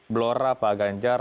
blora pak ganjar